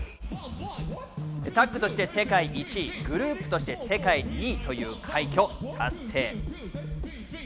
タッグとして世界１位、グループとして世界２位という快挙を達成。